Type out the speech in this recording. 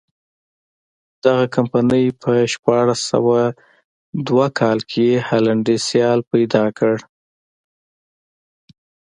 دغې کمپنۍ په شپاړس سوه دوه کال کې هالنډی سیال پیدا کړ.